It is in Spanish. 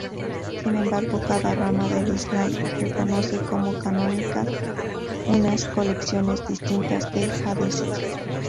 Sin embargo, cada rama del islam reconoce como canónicas unas colecciones distintas de hadices.